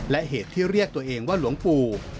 และเหตุที่เรียกตัวเองว่าหลวงปู่